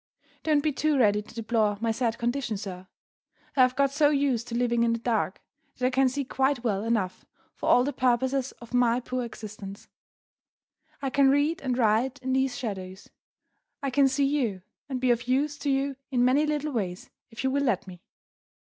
Don't be too ready to deplore my sad condition, sir! I have got so used to living in the dark that I can see quite well enough for all the purposes of my poor existence. I can read and write in these shadows I can see you, and be of use to you in many little ways, if you will let me.